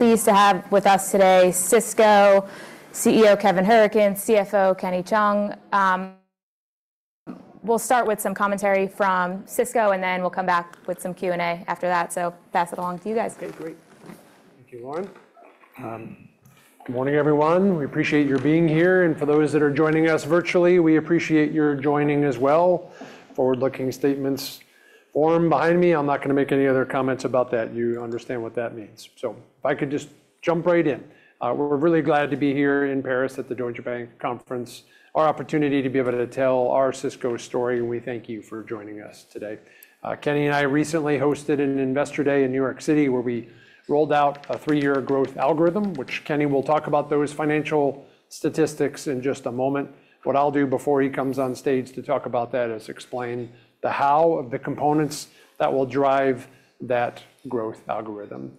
Pleased to have with us today Sysco CEO, Kevin Hourican, CFO, Kenny Cheung. We'll start with some commentary from Sysco, and then we'll come back with some Q&A after that. So pass it along to you guys. Okay, great. Thank you, Lauren. Good morning, everyone. We appreciate your being here, and for those that are joining us virtually, we appreciate your joining as well. Forward-looking statements form behind me. I'm not gonna make any other comments about that. You understand what that means. So if I could just jump right in. We're really glad to be here in Paris at the Deutsche Bank Conference. Our opportunity to be able to tell our Sysco story, and we thank you for joining us today. Kenny and I recently hosted an Investor Day in New York City, where we rolled out a 3 year growth algorithm, which Kenny will talk about those financial statistics in just a moment. What I'll do before he comes on stage to talk about that is explain the how of the components that will drive that growth algorithm.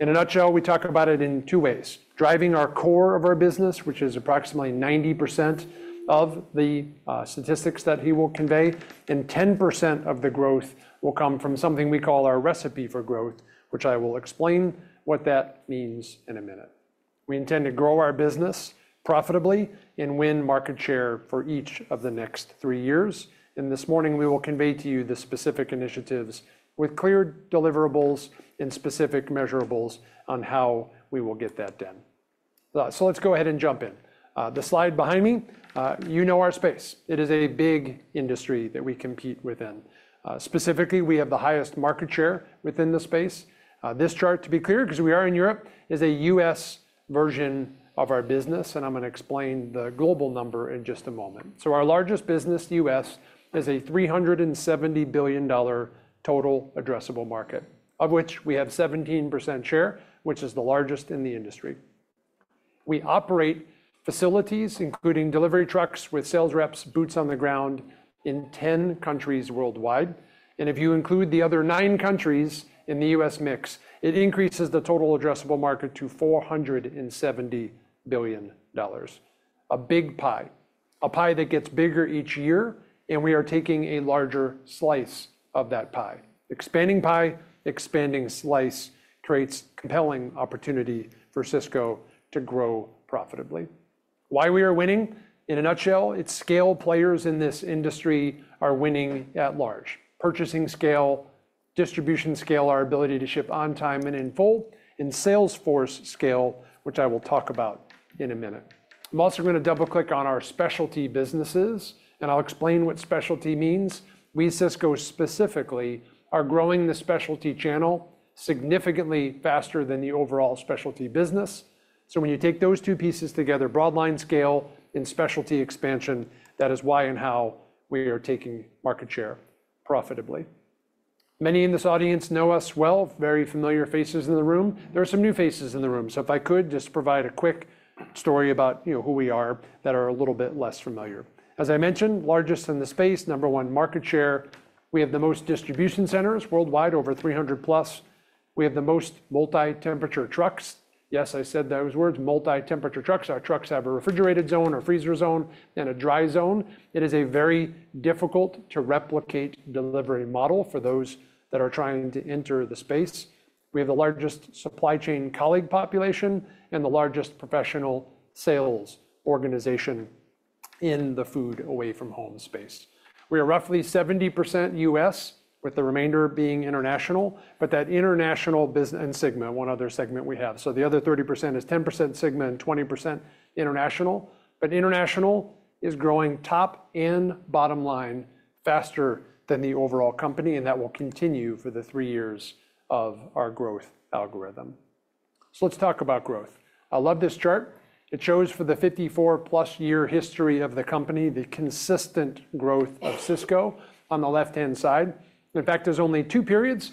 In a nutshell, we talk about it in two ways: driving our core of our business, which is approximately 90% of the statistics that he will convey, and 10% of the growth will come from something we call our recipe for growth, which I will explain what that means in a minute. We intend to grow our business profitably and win market share for each of the next 3 years. This morning, we will convey to you the specific initiatives with clear deliverables and specific measurables on how we will get that done. So let's go ahead and jump in. The slide behind me, you know our space. It is a big industry that we compete within. Specifically, we have the highest market share within the space. This chart, to be clear, because we are in Europe, is a U.S. version of our business, and I'm gonna explain the global number in just a moment. So our largest business, U.S., is a $370 billion total addressable market, of which we have 17% share, which is the largest in the industry. We operate facilities, including delivery trucks with sales reps, boots on the ground in 10 countries worldwide. And if you include the other nine countries in the U.S. mix, it increases the total addressable market to $470 billion. A big pie, a pie that gets bigger each year, and we are taking a larger slice of that pie. Expanding pie, expanding slice, creates compelling opportunity for Sysco to grow profitably. Why we are winning? In a nutshell, it's scale players in this industry are winning at large. Purchasing scale, distribution scale, our ability to ship on time and in full, and Salesforce scale, which I will talk about in a minute. I'm also gonna double-click on our specialty businesses, and I'll explain what specialty means. We, Sysco, specifically, are growing the specialty channel significantly faster than the overall specialty business. So when you take those two pieces together, broad line scale and specialty expansion, that is why and how we are taking market share profitably. Many in this audience know us well, very familiar faces in the room. There are some new faces in the room. So if I could just provide a quick story about, you know, who we are that are a little bit less familiar. As I mentioned, largest in the space, number one, market share. We have the most distribution centers worldwide, over 300+. We have the most multi-temperature trucks. Yes, I said those words, multi-temperature trucks. Our trucks have a refrigerated zone, a freezer zone, and a dry zone. It is a very difficult-to-replicate delivery model for those that are trying to enter the space. We have the largest supply chain colleague population and the largest professional sales organization in the food away from home space. We are roughly 70% U.S., with the remainder being international, but that international business and segment, one other segment we have. So the other 30% is 10% segment and 20% international. But international is growing top and bottom line faster than the overall company, and that will continue for the 3 years of our growth algorithm. So let's talk about growth. I love this chart. It shows for the 54+ year history of the company, the consistent growth of Sysco on the left-hand side. In fact, there's only two periods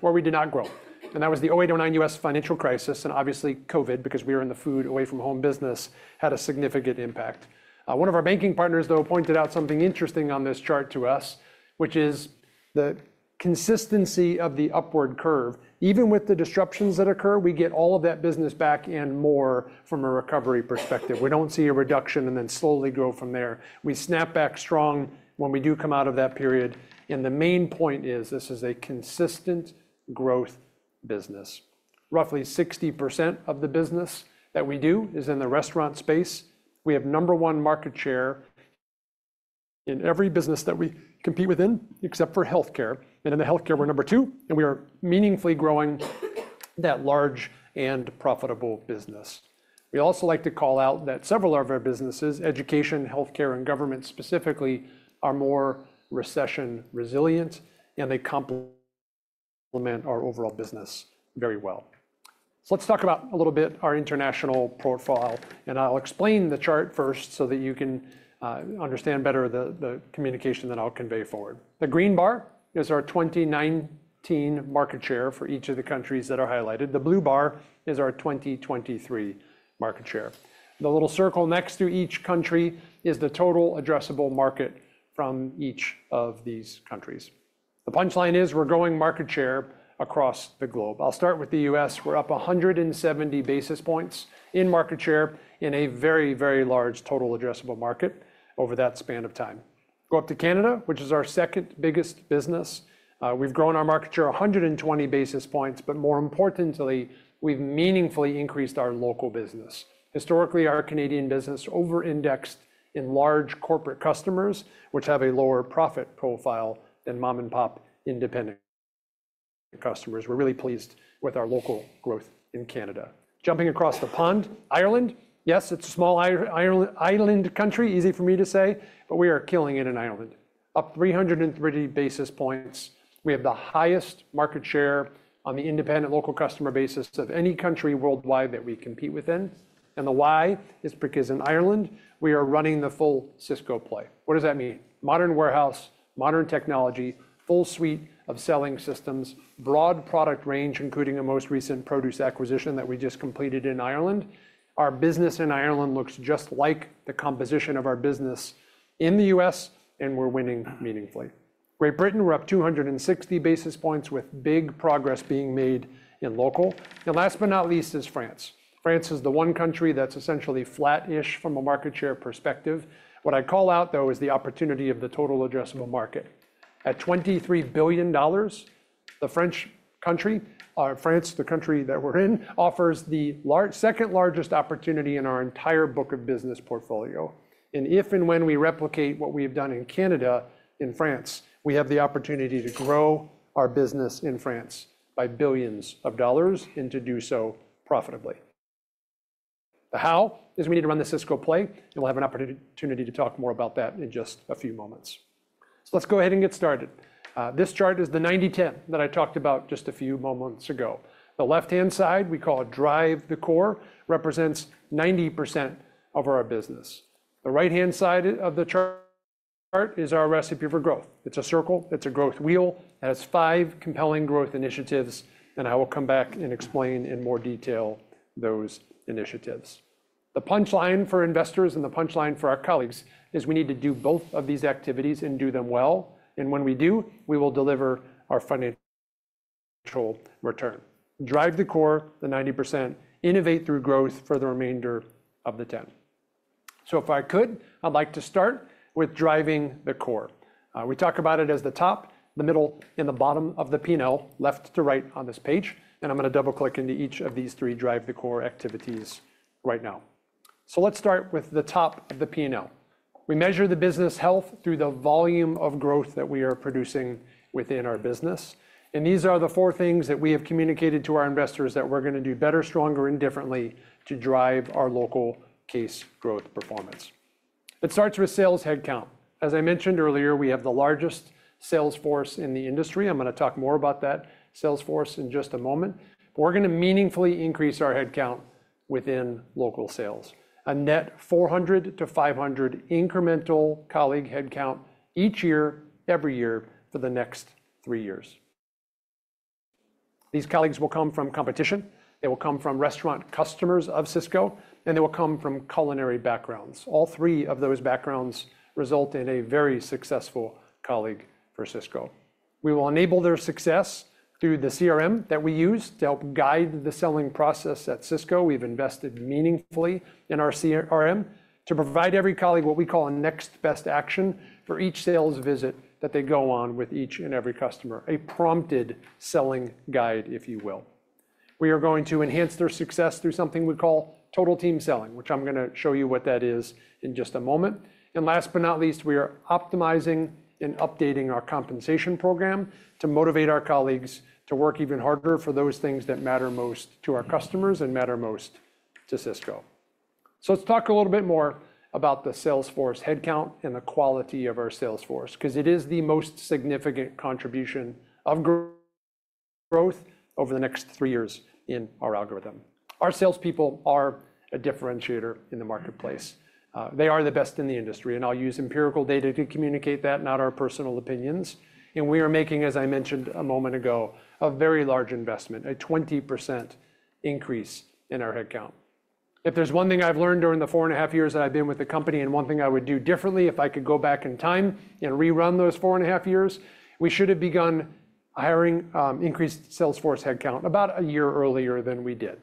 where we did not grow, and that was the 2008, 2009 U.S. financial crisis, and obviously, COVID, because we were in the food away from home business, had a significant impact. One of our banking partners, though, pointed out something interesting on this chart to us, which is the consistency of the upward curve. Even with the disruptions that occur, we get all of that business back and more from a recovery perspective. We don't see a reduction and then slowly grow from there. We snap back strong when we do come out of that period, and the main point is this is a consistent growth business. Roughly 60% of the business that we do is in the restaurant space. We have number one market share in every business that we compete within, except for healthcare. In the healthcare, we're number 2, and we are meaningfully growing that large and profitable business. We also like to call out that several of our businesses, education, healthcare, and government specifically, are more recession resilient, and they complement our overall business very well. Let's talk about a little bit our international profile, and I'll explain the chart first so that you can understand better the communication that I'll convey forward. The green bar is our 2019 market share for each of the countries that are highlighted. The blue bar is our 2023 market share. The little circle next to each country is the total addressable market from each of these countries. The punchline is we're growing market share across the globe. I'll start with the U.S. We're up 170 basis points in market share in a very, very large total addressable market over that span of time.... Go up to Canada, which is our second biggest business. We've grown our market share 120 basis points, but more importantly, we've meaningfully increased our local business. Historically, our Canadian business over-indexed in large corporate customers, which have a lower profit profile than mom-and-pop independent customers. We're really pleased with our local growth in Canada. Jumping across the pond, Ireland. Yes, it's a small Ireland, island country, easy for me to say, but we are killing it in Ireland. Up 330 basis points. We have the highest market share on the independent local customer basis of any country worldwide that we compete within. And the why is because in Ireland, we are running the full Sysco play. What does that mean? Modern warehouse, modern technology, full suite of selling systems, broad product range, including a most recent produce acquisition that we just completed in Ireland. Our business in Ireland looks just like the composition of our business in the U.S., and we're winning meaningfully. Great Britain, we're up 260 basis points with big progress being made in local. And last but not least is France. France is the one country that's essentially flat-ish from a market share perspective. What I call out, though, is the opportunity of the total addressable market. At $23 billion, the French country, or France, the country that we're in, offers the second largest opportunity in our entire book of business portfolio. If and when we replicate what we have done in Canada, in France, we have the opportunity to grow our business in France by $ billions and to do so profitably. The how is we need to run the Sysco play, and we'll have an opportunity to talk more about that in just a few moments. Let's go ahead and get started. This chart is the 90/10 that I talked about just a few moments ago. The left-hand side, we call Drive the Core, represents 90% of our business. The right-hand side of the chart is our recipe for growth. It's a circle, it's a growth wheel, has five compelling growth initiatives, and I will come back and explain in more detail those initiatives. The punchline for investors and the punchline for our colleagues is we need to do both of these activities and do them well, and when we do, we will deliver our financial return. Drive the core, the 90%, innovate through growth for the remainder of the 10. So if I could, I'd like to start with driving the core. We talk about it as the top, the middle, and the bottom of the P&L, left to right on this page, and I'm gonna double-click into each of these three drive the core activities right now. So let's start with the top of the P&L. We measure the business health through the volume of growth that we are producing within our business, and these are the four things that we have communicated to our investors that we're gonna do better, stronger, and differently to drive our local case growth performance. It starts with sales headcount. As I mentioned earlier, we have the largest sales force in the industry. I'm gonna talk more about that sales force in just a moment, but we're gonna meaningfully increase our headcount within local sales. A net 400-500 incremental colleague headcount each year, every year for the next 3 years. These colleagues will come from competition, they will come from restaurant customers of Sysco, and they will come from culinary backgrounds. All three of those backgrounds result in a very successful colleague for Sysco. We will enable their success through the CRM that we use to help guide the selling process at Sysco. We've invested meaningfully in our CRM to provide every colleague what we call a next best action for each sales visit that they go on with each and every customer, a prompted selling guide, if you will. We are going to enhance their success through something we call Total Team Selling, which I'm gonna show you what that is in just a moment. And last but not least, we are optimizing and updating our compensation program to motivate our colleagues to work even harder for those things that matter most to our customers and matter most to Sysco. So let's talk a little bit more about the sales force headcount and the quality of our sales force, 'cause it is the most significant contribution of growth over the next 3 years in our algorithm. Our salespeople are a differentiator in the marketplace. They are the best in the industry, and I'll use empirical data to communicate that, not our personal opinions. We are making, as I mentioned a moment ago, a very large investment, a 20% increase in our headcount. If there's one thing 4.5 years that i've been with the company, and one thing I would do differently if I could go back in 4.5 years, we should have begun hiring, increased sales force headcount about a year earlier than we did.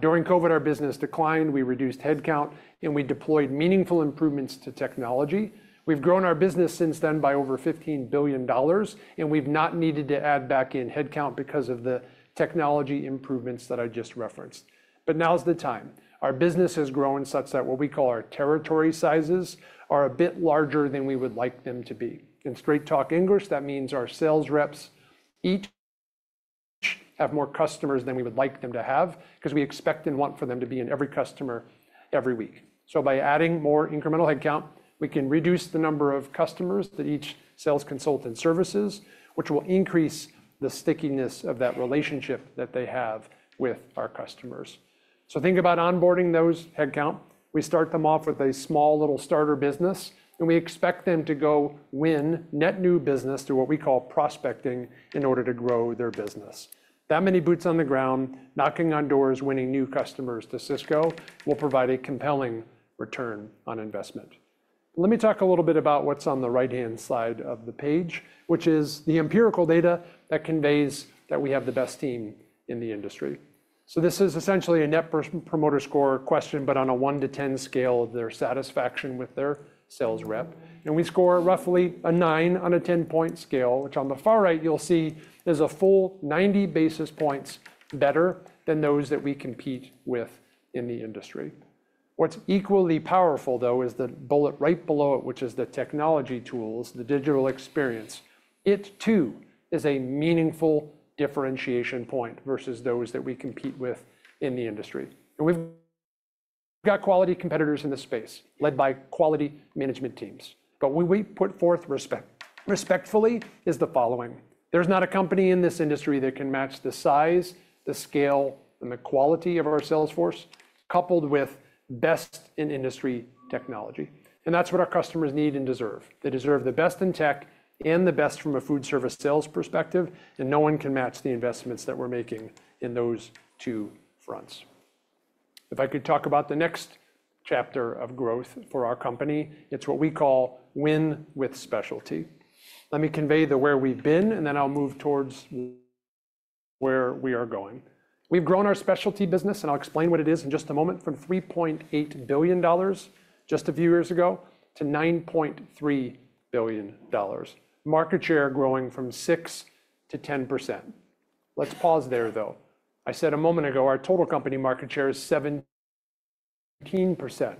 During COVID, our business declined, we reduced headcount, and we deployed meaningful improvements to technology. We've grown our business since then by over $15 billion, and we've not needed to add back in headcount because of the technology improvements that I just referenced. But now's the time. Our business has grown such that what we call our territory sizes are a bit larger than we would like them to be. In straight talk English, that means our sales reps each have more customers than we would like them to have because we expect and want for them to be in every customer every week. So by adding more incremental headcount, we can reduce the number of customers that each sales consultant services, which will increase the stickiness of that relationship that they have with our customers. So think about onboarding those headcount. We start them off with a small little starter business, and we expect them to go win net new business through what we call prospecting in order to grow their business. That many boots on the ground, knocking on doors, winning new customers to Sysco, will provide a compelling return on investment. Let me talk a little bit about what's on the right-hand side of the page, which is the empirical data that conveys that we have the best team in the industry. So this is essentially a net promoter score question, but on a 1 to 10 scale of their satisfaction with their sales rep. And we score roughly a 9 on a 10-point scale, which on the far right you'll see is a full 90 basis points better than those that we compete with in the industry. What's equally powerful, though, is the bullet right below it, which is the technology tools, the digital experience. It, too, is a meaningful differentiation point versus those that we compete with in the industry. And we've got quality competitors in this space, led by quality management teams. But what we put forth respectfully is the following: There's not a company in this industry that can match the size, the scale, and the quality of our sales force, coupled with best-in-industry technology. And that's what our customers need and deserve. They deserve the best in tech and the best from a food service sales perspective, and no one can match the investments that we're making in those two fronts. If I could talk about the next chapter of growth for our company, it's what we call Win with Specialty. Let me convey the where we've been, and then I'll move towards where we are going. We've grown our specialty business, and I'll explain what it is in just a moment, from $3.8 billion just a few years ago to $9.3 billion. Market share growing from 6%-10%. Let's pause there, though. I said a moment ago, our total company market share is 7%,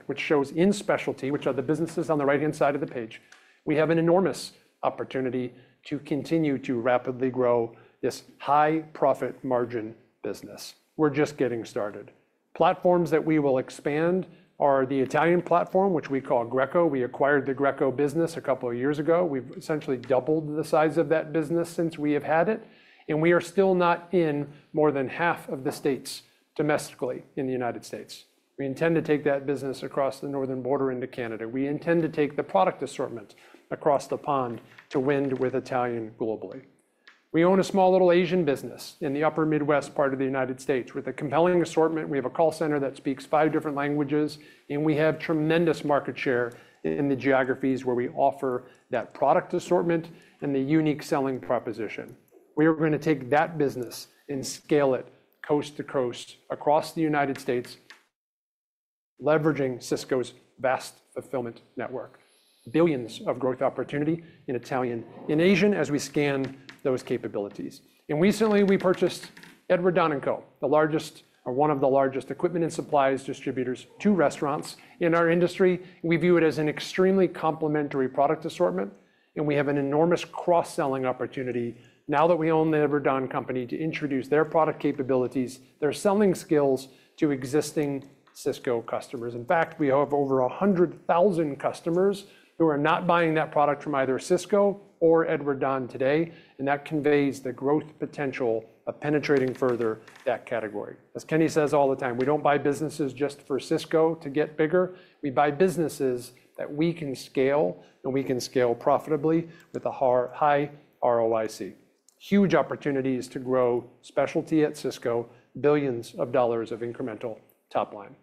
which shows in specialty, which are the businesses on the right-hand side of the page, we have an enormous opportunity to continue to rapidly grow this high profit margin business. We're just getting started. Platforms that we will expand are the Italian platform, which we call Greco. We acquired the Greco business a couple of years ago. We've essentially doubled the size of that business since we have had it, and we are still not in more than half of the states domestically in the United States. We intend to take that business across the northern border into Canada. We intend to take the product assortment across the pond to win with Italian globally. We own a small little Asian business in the upper Midwest part of the United States with a compelling assortment. We have a call center that speaks five different languages, and we have tremendous market share in the geographies where we offer that product assortment and the unique selling proposition. We are gonna take that business and scale it coast-to-coast across the United States, leveraging Sysco's vast fulfillment network. Billions of growth opportunity in Italian and Asian as we scan those capabilities. And recently, we purchased Edward Don & Company, the largest or one of the largest equipment and supplies distributors to restaurants in our industry. We view it as an extremely complementary product assortment, and we have an enormous cross-selling opportunity now that we own the Edward Don & Company to introduce their product capabilities, their selling skills to existing Sysco customers. In fact, we have over 100,000 customers who are not buying that product from either Sysco or Edward Don & Company today, and that conveys the growth potential of penetrating further that category. As Kenny says all the time, we don't buy businesses just for Sysco to get bigger. We buy businesses that we can scale, and we can scale profitably with a high ROIC. Huge opportunities to grow specialty at Sysco, $ billions of incremental top line.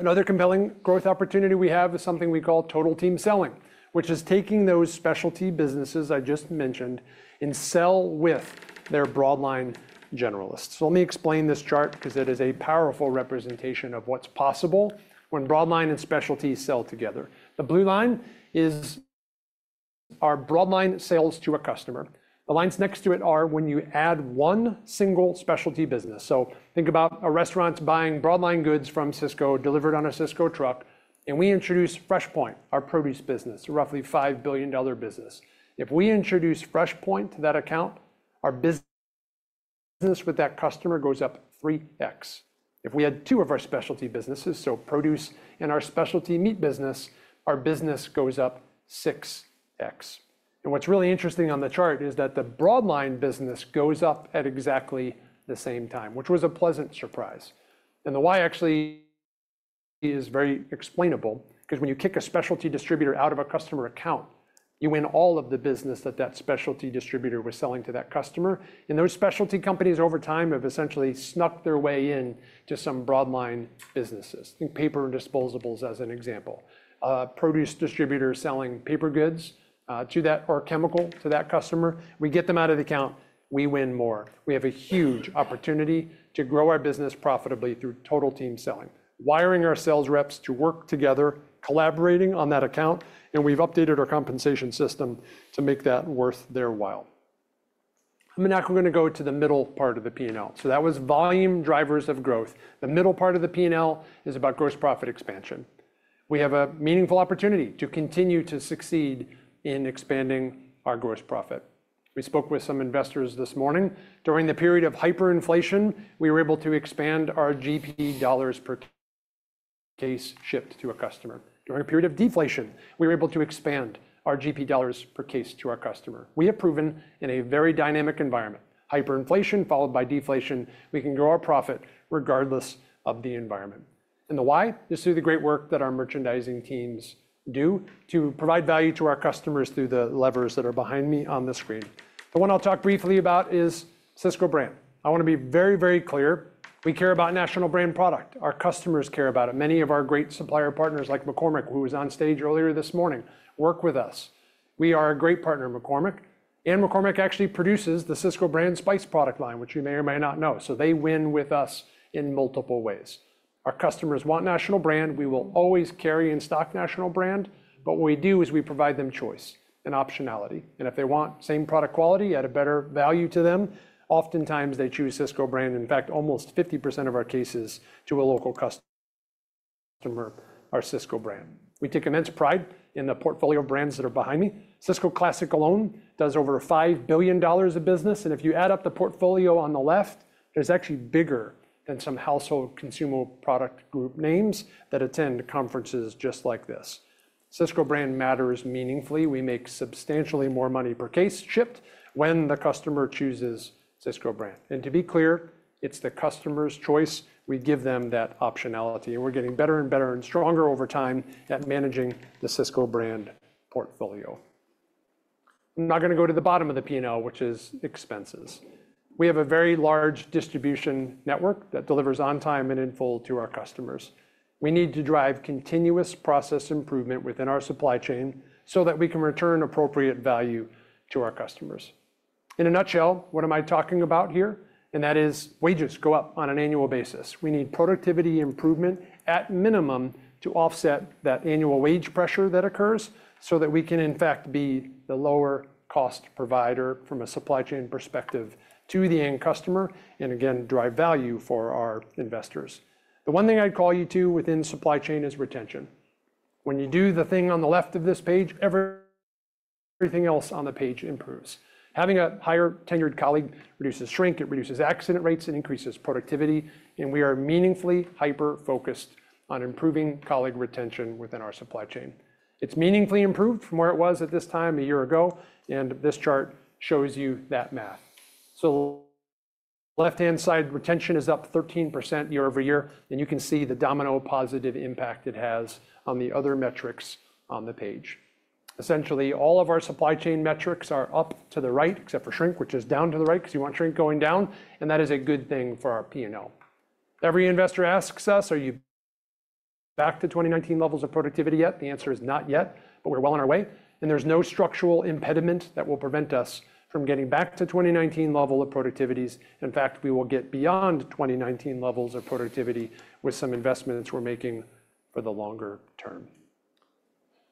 Another compelling growth opportunity we have is something we call total team selling, which is taking those specialty businesses I just mentioned and sell with their broad line generalists. So let me explain this chart because it is a powerful representation of what's possible when broad line and specialty sell together. The blue line is our broad line sales to a customer. The lines next to it are when you add one single specialty business. So think about a restaurant buying broad line goods from Sysco, delivered on a Sysco truck, and we introduce FreshPoint, our produce business, roughly $5 billion business. If we introduce FreshPoint to that account, our business with that customer goes up 3x. If we add two of our specialty businesses, so produce and our specialty meat business, our business goes up 6x. And what's really interesting on the chart is that the broad line business goes up at exactly the same time, which was a pleasant surprise. And the why actually is very explainable, 'cause when you kick a specialty distributor out of a customer account, you win all of the business that that specialty distributor was selling to that customer. And those specialty companies, over time, have essentially snuck their way in to some broad line businesses. Think paper and disposables as an example. A produce distributor selling paper goods to that or chemical to that customer, we get them out of the account, we win more. We have a huge opportunity to grow our business profitably through total team selling, wiring our sales reps to work together, collaborating on that account, and we've updated our compensation system to make that worth their while. And now we're gonna go to the middle part of the P&L. So that was volume drivers of growth. The middle part of the P&L is about gross profit expansion. We have a meaningful opportunity to continue to succeed in expanding our gross profit. We spoke with some investors this morning. During the period of hyperinflation, we were able to expand our GP dollars per case shipped to a customer. During a period of deflation, we were able to expand our GP dollars per case to our customer. We have proven in a very dynamic environment, hyperinflation followed by deflation, we can grow our profit regardless of the environment. And the why is through the great work that our merchandising teams do to provide value to our customers through the levers that are behind me on the screen. The one I'll talk briefly about is Sysco brand. I wanna be very clear, we care about national brand product. Our customers care about it. Many of our great supplier partners, like McCormick, who was on stage earlier this morning, work with us. We are a great partner of McCormick, and McCormick actually produces the Sysco brand spice product line, which you may or may not know. So they win with us in multiple ways. Our customers want national brand. We will always carry in-stock national brand, but what we do is we provide them choice and optionality. And if they want same product quality at a better value to them, oftentimes, they choose Sysco brand. In fact, almost 50% of our cases to a local customer are Sysco brand. We take immense pride in the portfolio of brands that are behind me. Sysco Classic alone does over $5 billion of business, and if you add up the portfolio on the left, it's actually bigger than some household consumable product group names that attend conferences just like this. Sysco brand matters meaningfully. We make substantially more money per case shipped when the customer chooses Sysco brand. And to be clear, it's the customer's choice. We give them that optionality, and we're getting better and better and stronger over time at managing the Sysco brand portfolio. I'm now gonna go to the bottom of the P&L, which is expenses. We have a very large distribution network that delivers on time and in full to our customers. We need to drive continuous process improvement within our supply chain so that we can return appropriate value to our customers. In a nutshell, what am I talking about here? That is, wages go up on an annual basis. We need productivity improvement at minimum, to offset that annual wage pressure that occurs, so that we can, in fact, be the lower cost provider from a supply chain perspective to the end customer, and again, drive value for our investors. The one thing I'd call you to within supply chain is retention. When you do the thing on the left of this page, everything else on the page improves. Having a higher tenured colleague reduces shrink, it reduces accident rates, and increases productivity, and we are meaningfully hyper-focused on improving colleague retention within our supply chain. It's meaningfully improved from where it was at this time a year ago, and this chart shows you that math. So left-hand side, retention is up 13% year-over-year, and you can see the domino positive impact it has on the other metrics on the page. Essentially, all of our supply chain metrics are up to the right, except for shrink, which is down to the right, 'cause you want shrink going down, and that is a good thing for our P&L. Every investor asks us, "Are you back to 2019 levels of productivity yet?" The answer is not yet, but we're well on our way, and there's no structural impediment that will prevent us from getting back to 2019 level of productivities. In fact, we will get beyond 2019 levels of productivity with some investments we're making for the longer term.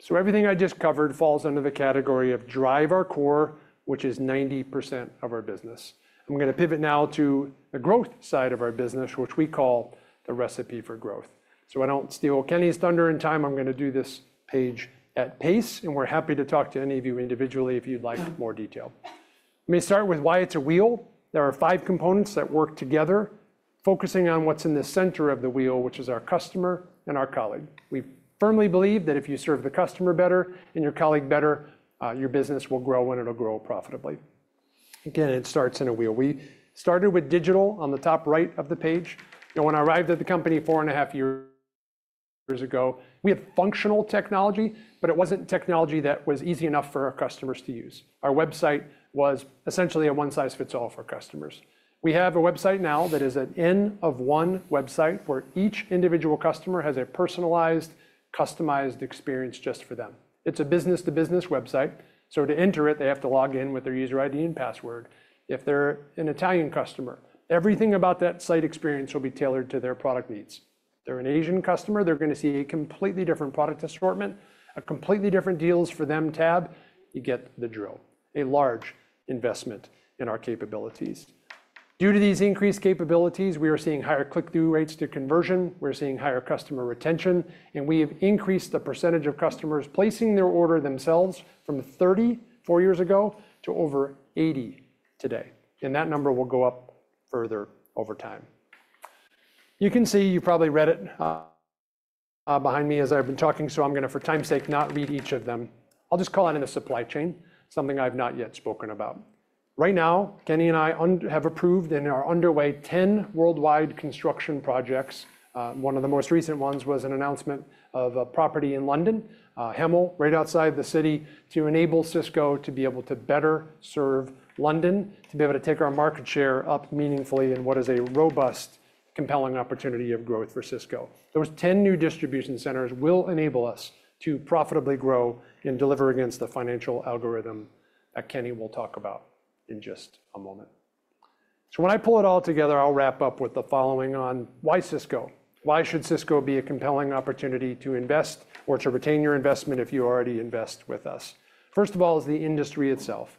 So everything I just covered falls under the category of drive our core, which is 90% of our business. I'm gonna pivot now to the growth side of our business, which we call the recipe for growth. So I don't steal Kenny's thunder and time, I'm gonna do this page at pace, and we're happy to talk to any of you individually if you'd like more detail. Let me start with why it's a wheel. There are five components that work together, focusing on what's in the center of the wheel, which is our customer and our colleague. We firmly believe that if you serve the customer better and your colleague better, your business will grow, and it'll grow profitably. Again, it starts in a wheel. We started with digital on the top right of the page, and when I 4.5 years ago, we had functional technology, but it wasn't technology that was easy enough for our customers to use. Our website was essentially a one-size-fits-all for customers. We have a website now that is an n-of-one website, where each individual customer has a personalized, customized experience just for them. It's a business-to-business website, so to enter it, they have to log in with their user ID and password. If they're an Italian customer, everything about that site experience will be tailored to their product needs. If they're an Asian customer, they're gonna see a completely different product assortment, a completely different deals for them tab. You get the drill. A large investment in our capabilities. Due to these increased capabilities, we are seeing higher click-through rates to conversion, we're seeing higher customer retention, and we have increased the percentage of customers placing their order themselves from 30%, four years ago, to over 80% today, and that number will go up further over time. You can see, you probably read it behind me as I've been talking, so I'm gonna, for time's sake, not read each of them. I'll just call it in the supply chain, something I've not yet spoken about. Right now, Kenny and I have approved and are underway 10 worldwide construction projects. One of the most recent ones was an announcement of a property in London, Hemel Hempstead, right outside the city, to enable Sysco to be able to better serve London, to be able to take our market share up meaningfully in what is a robust, compelling opportunity of growth for Sysco. Those 10 new distribution centers will enable us to profitably grow and deliver against the financial algorithm that Kenny will talk about in just a moment. So when I pull it all together, I'll wrap up with the following on: Why Sysco? Why should Sysco be a compelling opportunity to invest or to retain your investment if you already invest with us? First of all is the industry itself.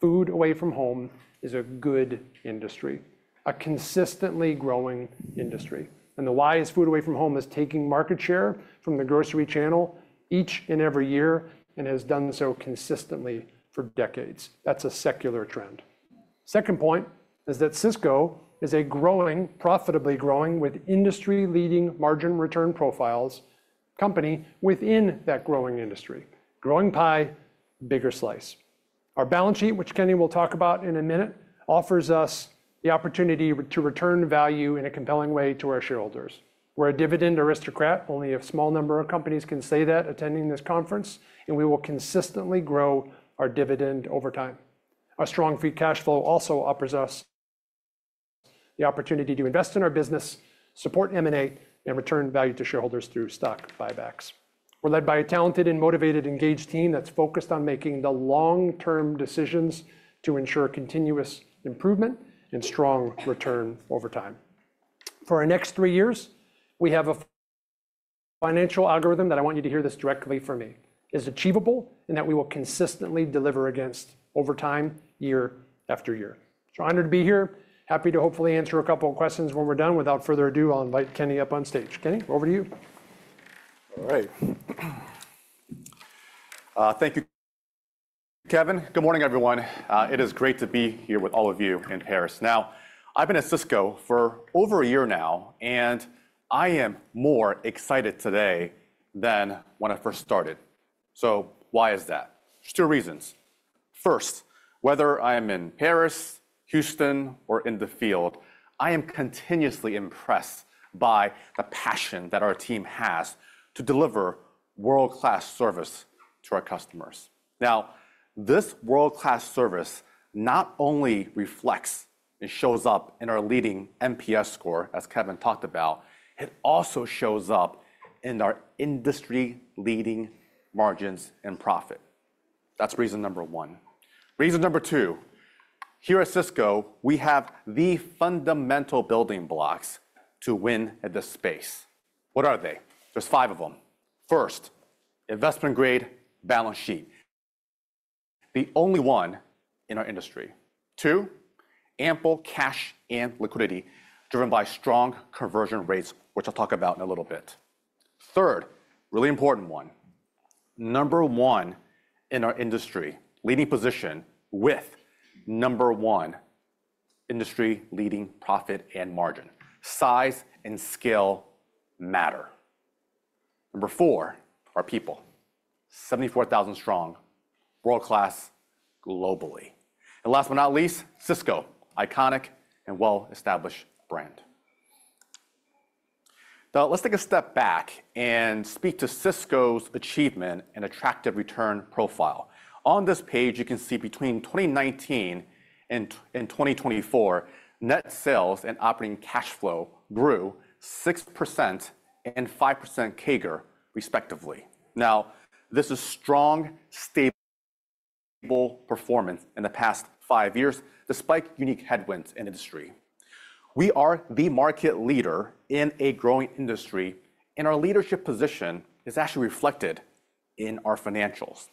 Food away from home is a good industry, a consistently growing industry. And the why is food away from home is taking market share from the grocery channel each and every year and has done so consistently for decades. That's a secular trend. Second point is that Sysco is a growing, profitably growing, with industry-leading margin return profiles, company within that growing industry. Growing pie, bigger slice. Our balance sheet, which Kenny will talk about in a minute, offers us the opportunity to return value in a compelling way to our shareholders. We're a dividend aristocrat. Only a small number of companies can say that attending this conference, and we will consistently grow our dividend over time. Our strong free cash flow also offers us the opportunity to invest in our business, support M&A, and return value to shareholders through stock buybacks. We're led by a talented and motivated, engaged team that's focused on making the long-term decisions to ensure continuous improvement and strong return over time. For our next 3 years, we have a financial algorithm that I want you to hear this directly from me, is achievable, and that we will consistently deliver against over time, year after year. So honored to be here. Happy to hopefully answer a couple of questions when we're done. Without further ado, I'll invite Kenny up on stage. Kenny, over to you. All right. Thank you, Kevin. Good morning, everyone. It is great to be here with all of you in Paris. Now, I've been at Sysco for over a year now, and I am more excited today than when I first started. So why is that? Two reasons. First, whether I am in Paris, Houston, or in the field, I am continuously impressed by the passion that our team has to deliver world-class service to our customers. Now, this world-class service not only reflects and shows up in our leading NPS score, as Kevin talked about, it also shows up in our industry-leading margins and profit. That's reason number one. Reason number two, here at Sysco, we have the fundamental building blocks to win at this space. What are they? There's five of them. First, investment-grade balance sheet, the only one in our industry. 2, ample cash and liquidity driven by strong conversion rates, which I'll talk about in a little bit. Third, really important one, number one in our industry, leading position with number one industry-leading profit and margin. Size and scale matter. Number four, our people, 74,000 strong, world-class globally. And last but not least, Sysco, iconic and well-established brand. Now, let's take a step back and speak to Sysco's achievement and attractive return profile. On this page, you can see between 2019 and 2024, net sales and operating cash flow grew 6% and 5% CAGR, respectively. Now, this is strong, stable performance in the past 5 years, despite unique headwinds in industry. We are the market leader in a growing industry, and our leadership position is actually reflected in our financials.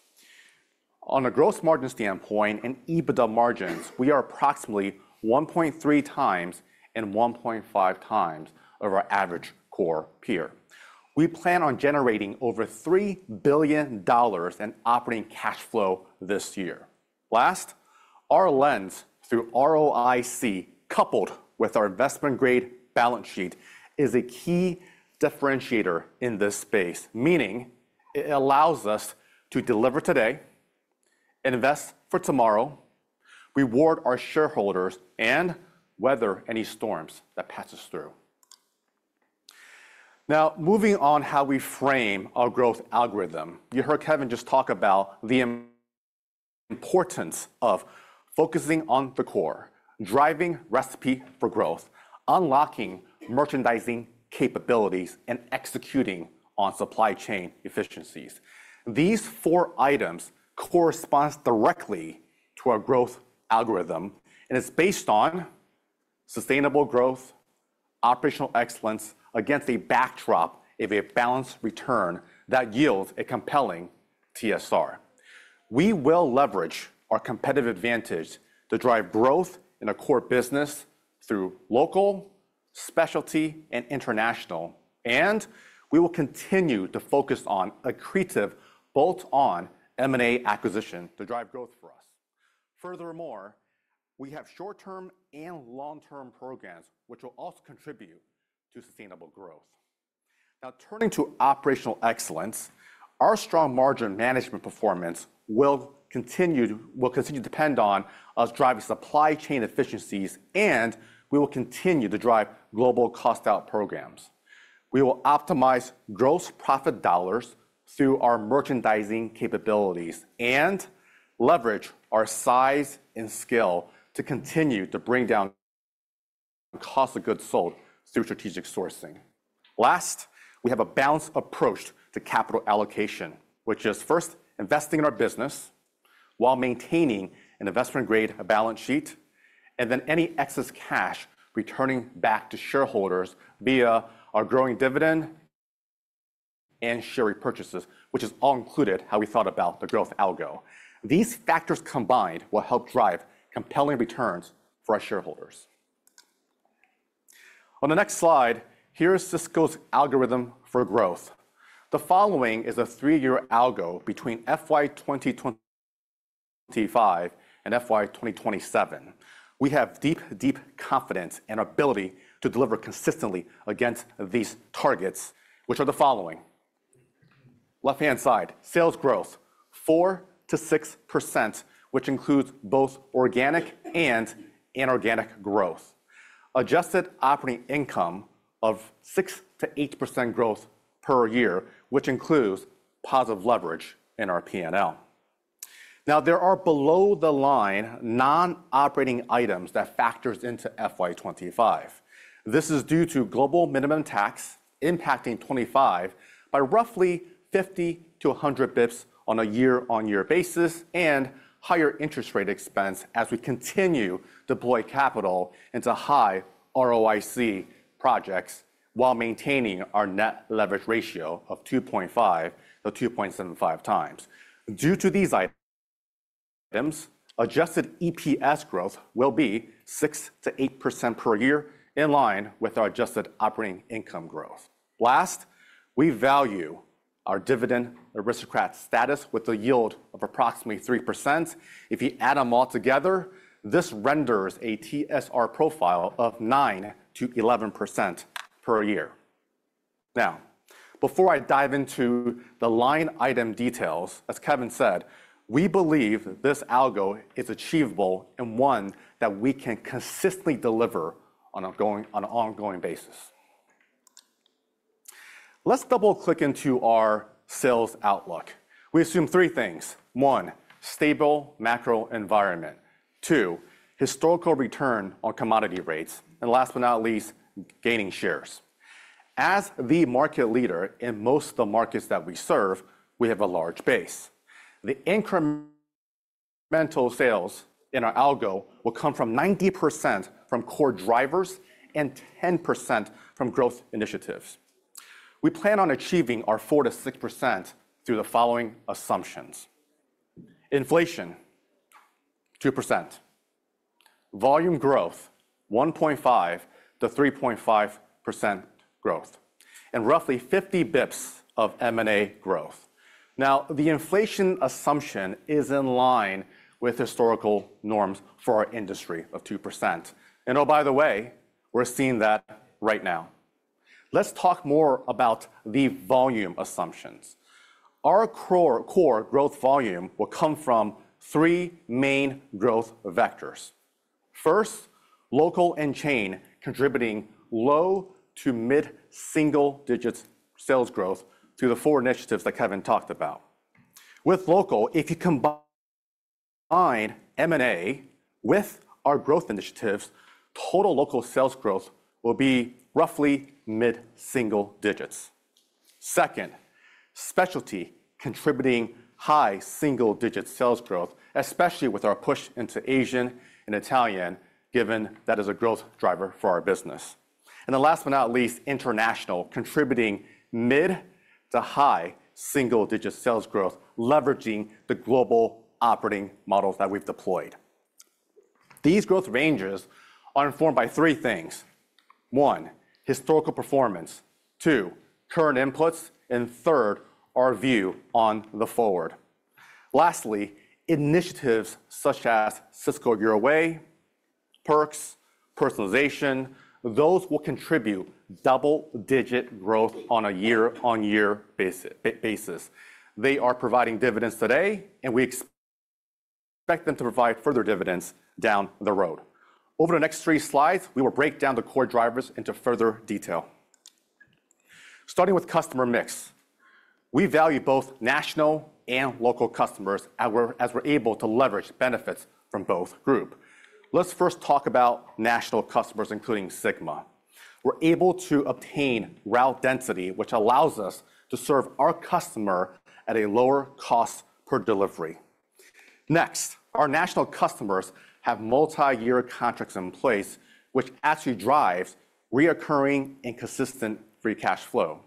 On a growth margin standpoint and EBITDA margins, we are approximately 1.3x and 1.5x over our average core peer. We plan on generating over $3 billion in operating cash flow this year. Last, our lens through ROIC, coupled with our investment-grade balance sheet, is a key differentiator in this space, meaning it allows us to deliver today, invest for tomorrow, reward our shareholders, and weather any storms that pass us through. Now, moving on, how we frame our growth algorithm. You heard Kevin just talk about the importance of focusing on the core, driving Recipe for Growth, unlocking merchandising capabilities, and executing on supply chain efficiencies. These four items correspond directly to our growth algorithm, and it's based on sustainable growth, operational excellence, against a backdrop of a balanced return that yields a compelling TSR. We will leverage our competitive advantage to drive growth in our core business through local, specialty, and international, and we will continue to focus on accretive bolt-on M&A acquisition to drive growth for us. Furthermore, we have short-term and long-term programs, which will also contribute to sustainable growth. Now, turning to operational excellence, our strong margin management performance will continue to depend on us driving supply chain efficiencies, and we will continue to drive global cost-out programs. We will optimize Gross Profit dollars through our merchandising capabilities and leverage our size and scale to continue to bring down cost of goods sold through strategic sourcing. Last, we have a balanced approach to capital allocation, which is first investing in our business while maintaining an investment-grade balance sheet, and then any excess cash returning back to shareholders via our growing dividend and share repurchases, which is all included how we thought about the growth algo. These factors combined will help drive compelling returns for our shareholders. On the next slide, here's Sysco's algorithm for growth. The following is a 3 year algo between FY 2025 and FY 2027. We have deep, deep confidence and ability to deliver consistently against these targets, which are the following: left-hand side, sales growth, 4%-6%, which includes both organic and inorganic growth. Adjusted operating income of 6%-8% growth per year, which includes positive leverage in our P&L. Now, there are below-the-line non-operating items that factors into FY 2025. This is due to global minimum tax impacting 2025 by roughly 50-100 basis points on a year-over-year basis, and higher interest rate expense as we continue to deploy capital into high ROIC projects, while maintaining our net leverage ratio of 2.5x-2.75x. Due to these items, adjusted EPS growth will be 6%-8% per year, in line with our adjusted operating income growth. Last, we value our dividend aristocrat status with a yield of approximately 3%. If you add them all together, this renders a TSR profile of 9%-11% per year. Now, before I dive into the line item details, as Kevin said, we believe this algo is achievable and one that we can consistently deliver on ongoing, on an ongoing basis. Let's double-click into our sales outlook. We assume 3 things: one, stable macro environment; two, historical return on commodity rates; and last but not least, gaining shares. As the market leader in most of the markets that we serve, we have a large base. The incremental sales in our algo will come from 90% from core drivers and 10% from growth initiatives. We plan on achieving our 4%-6% through the following assumptions: inflation, 2%; volume growth, 1.5%-3.5% growth; and roughly 50 basis points of M&A growth. Now, the inflation assumption is in line with historical norms for our industry of 2%. And oh, by the way, we're seeing that right now. Let's talk more about the volume assumptions. Our core, core growth volume will come from 3 main growth vectors. First, local and chain, contributing low- to mid-single digits sales growth through the four initiatives that Kevin talked about. With local, if you combine M&A with our growth initiatives, total local sales growth will be roughly mid-single digits. Second, specialty, contributing high single-digit sales growth, especially with our push into Asian and Italian, given that is a growth driver for our business. And the last but not least, international, contributing mid- to high single-digit sales growth, leveraging the global operating models that we've deployed. These growth ranges are informed by three things: one, historical performance; two, current inputs; and third, our view on the forward. Lastly, initiatives such as Sysco Your Way, Perks, personalization, those will contribute double-digit growth on a year-on-year basis. They are providing dividends today, and we expect them to provide further dividends down the road. Over the next three slides, we will break down the core drivers into further detail. Starting with customer mix, we value both national and local customers, as we're able to leverage benefits from both group. Let's first talk about national customers, including Sigma. We're able to obtain route density, which allows us to serve our customer at a lower cost per delivery. Next, our national customers have multi-year contracts in place, which actually drives recurring and consistent free cash flow.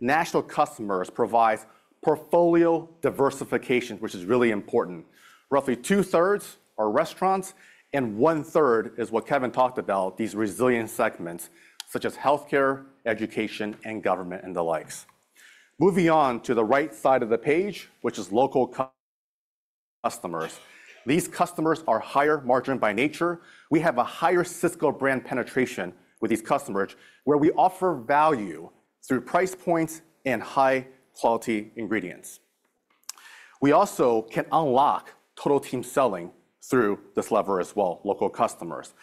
National customers provide portfolio diversification, which is really important. Roughly t2/3 are restaurants, and 1/3 is what Kevin talked about, these resilient segments, such as healthcare, education, and government, and the likes. Moving on to the right side of the page, which is local customers. These customers are higher margin by nature. We have a higher Sysco brand penetration with these customers, where we offer value through price points and high-quality ingredients. We also can unlock total team selling through this lever as well, local customers.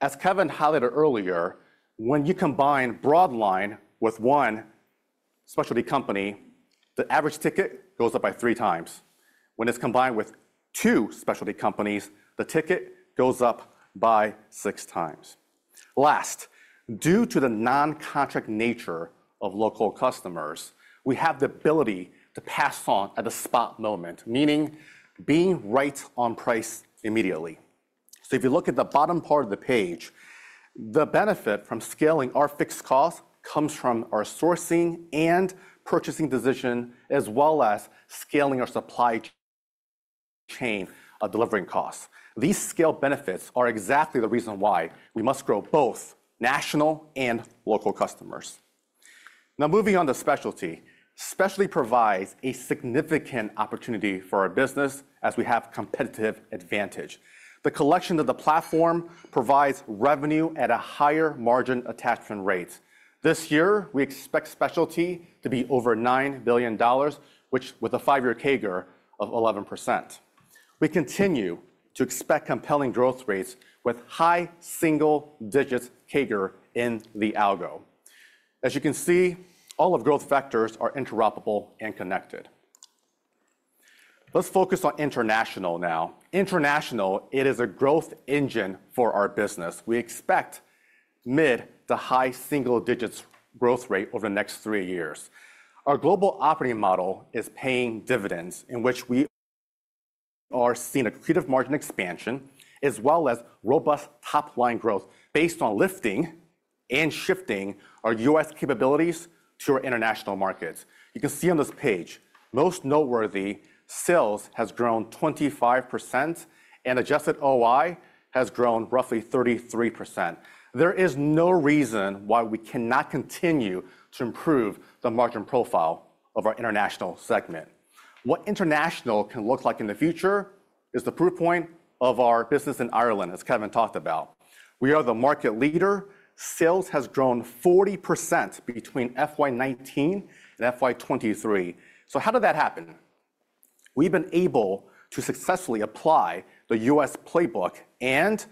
As Kevin highlighted earlier, when you combine broad line with 1 specialty company, the average ticket goes up by 3x. When it's combined with 2 specialty companies, the ticket goes up by 6x. Last, due to the non-contract nature of local customers, we have the ability to pass on at a spot moment, meaning being right on price immediately. So if you look at the bottom part of the page, the benefit from scaling our fixed cost comes from our sourcing and purchasing decision, as well as scaling our supply chain of delivering costs. These scale benefits are exactly the reason why we must grow both national and local customers. Now, moving on to specialty. Specialty provides a significant opportunity for our business as we have competitive advantage. The collection of the platform provides revenue at a higher margin attachment rate. This year, we expect specialty to be over $9 billion, which with a 5-year CAGR of 11%.... We continue to expect compelling growth rates with high single digits CAGR in the algo. As you can see, all of growth vectors are interoperable and connected. Let's focus on international now. International, it is a growth engine for our business. We expect mid- to high-single-digits growth rate over the next 3 years. Our global operating model is paying dividends, in which we are seeing accretive margin expansion, as well as robust top-line growth based on lifting and shifting our U.S. capabilities to our international markets. You can see on this page, most noteworthy, sales has grown 25%, and adjusted OI has grown roughly 33%. There is no reason why we cannot continue to improve the margin profile of our international segment. What international can look like in the future is the proof point of our business in Ireland, as Kevin talked about. We are the market leader. Sales has grown 40% between FY 2019 and FY 2023. So how did that happen? We've been able to successfully apply the U.S. playbook and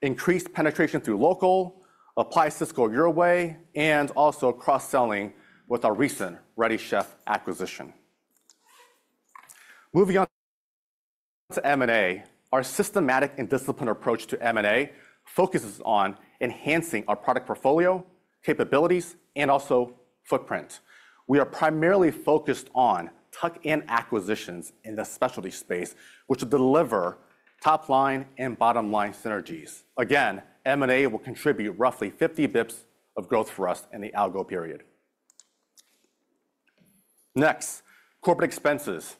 increase penetration through local, apply Sysco Your Way, and also cross-selling with our recent Ready Chef acquisition. Moving on to M&A. Our systematic and disciplined approach to M&A focuses on enhancing our product portfolio, capabilities, and also footprint. We are primarily focused on tuck-in acquisitions in the specialty space, which will deliver top-line and bottom-line synergies. Again, M&A will contribute roughly 50 BIPS of growth for us in the algo period. Next, corporate expenses.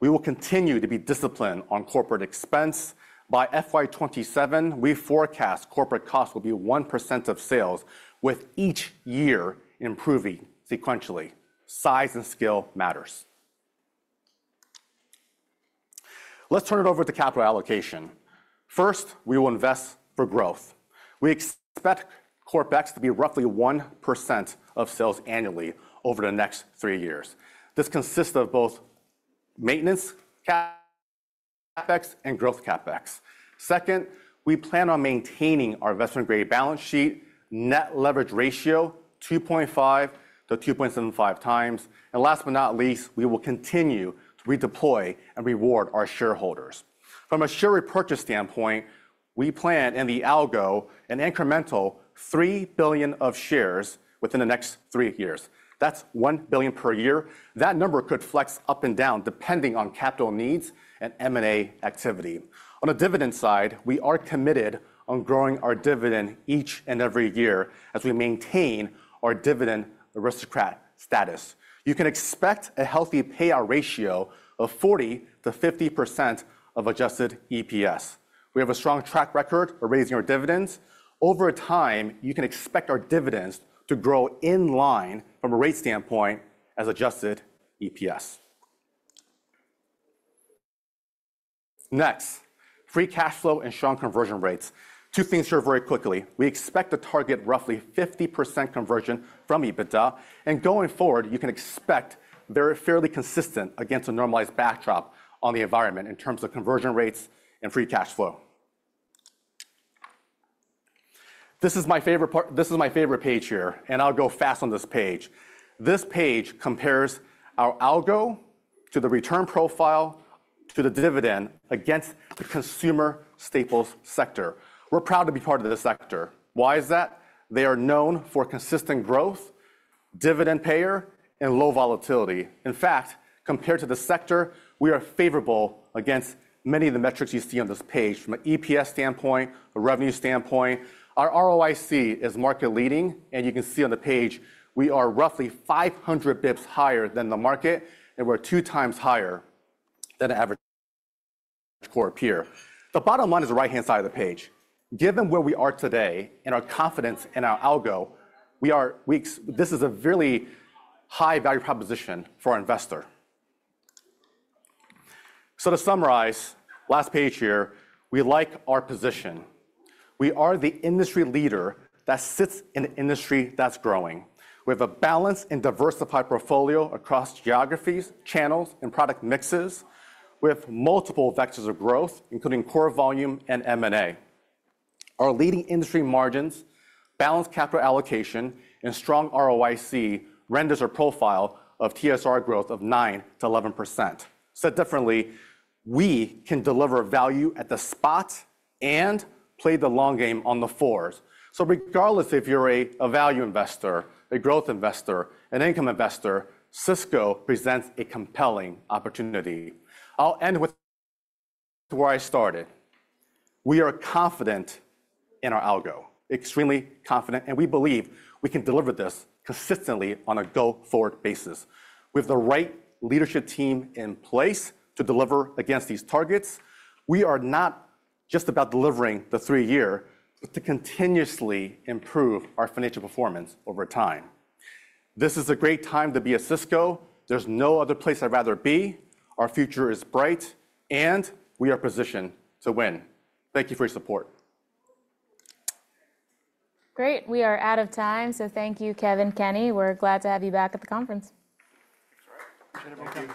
We will continue to be disciplined on corporate expense. By FY 2027, we forecast corporate costs will be 1% of sales, with each year improving sequentially. Size and scale matters. Let's turn it over to capital allocation. First, we will invest for growth. We expect CapEx to be roughly 1% of sales annually over the next 3 years. This consists of both maintenance CapEx and growth CapEx. Second, we plan on maintaining our investment-grade balance sheet, net leverage ratio, 2.5x-2.75x. And last but not least, we will continue to redeploy and reward our shareholders. From a share repurchase standpoint, we plan, in the algo, an incremental $3 billion of shares within the next 3 years. That's $1 billion per year. That number could flex up and down, depending on capital needs and M&A activity. On the dividend side, we are committed on growing our dividend each and every year as we maintain our dividend aristocrat status. You can expect a healthy payout ratio of 40%-50% of Adjusted EPS. We have a strong track record of raising our dividends. Over time, you can expect our dividends to grow in line from a rate standpoint as Adjusted EPS. Next, free cash flow and strong conversion rates. Two things here very quickly. We expect to target roughly 50% conversion from EBITDA, and going forward, you can expect very fairly consistent against a normalized backdrop on the environment in terms of conversion rates and free cash flow. This is my favorite part—this is my favorite page here, and I'll go fast on this page. This page compares our algo to the return profile to the dividend against the consumer staples sector. We're proud to be part of this sector. Why is that? They are known for consistent growth, dividend payer, and low volatility. In fact, compared to the sector, we are favorable against many of the metrics you see on this page. From an EPS standpoint, a revenue standpoint, our ROIC is market-leading, and you can see on the page we are roughly 500 BIPS higher than the market, and we're 2x higher than the average core peer. The bottom line is the right-hand side of the page. Given where we are today and our confidence in our algo, we are this is a very high value proposition for our investor. To summarize, last page here, we like our position. We are the industry leader that sits in an industry that's growing. We have a balanced and diversified portfolio across geographies, channels, and product mixes, with multiple vectors of growth, including core volume and M&A. Our leading industry margins, balanced capital allocation, and strong ROIC renders a profile of TSR growth of 9%-11%. Said differently, we can deliver value at the spot and play the long game on the 4s. So regardless if you're a value investor, a growth investor, an income investor, Sysco presents a compelling opportunity. I'll end with where I started. We are confident in our algo, extremely confident, and we believe we can deliver this consistently on a go-forward basis. We have the right leadership team in place to deliver against these targets. We are not just about delivering the 3 year, but to continuously improve our financial performance over time. This is a great time to be at Sysco. There's no other place I'd rather be. Our future is bright, and we are positioned to win. Thank you for your support. Great! We are out of time, so thank you, Kevin, Kenny. We're glad to have you back at the conference. Thanks. Thank you.